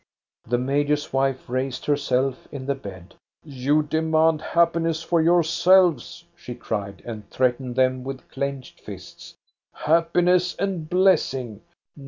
" The major's wife raised herself in the bed. "You demand happiness for yourselves," she cried, and threatened them with clenched fists, — "happiness and blessing.